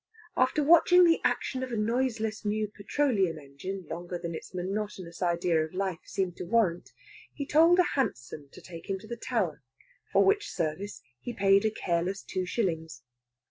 After watching the action of a noiseless new petroleum engine longer than its monotonous idea of life seemed to warrant, he told a hansom to take him to the Tower, for which service he paid a careless two shillings.